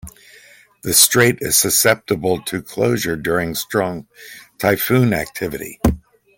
The strait is susceptible to closure during strong typhoon activity.